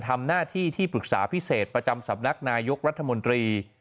ทำหน้าที่ที่ปรึกษาพิเศษประจำสำนักนายกรัฐมนตรี